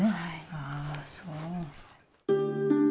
ああそう。